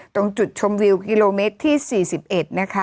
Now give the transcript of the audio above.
ตรงจุดชมวิวกิโลเมตรที่๔๑นะคะ